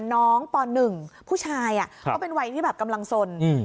น้องปหนึ่งผู้ชายอ่ะเขาเป็นวัยที่แบบกำลังสลอืม